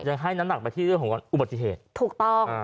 ยังให้น้ำหนักไปที่เรื่องของอุบัติเหตุถูกต้อง